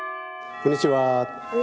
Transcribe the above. こんにちは。